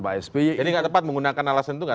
pak sp ini nggak tepat menggunakan alasan itu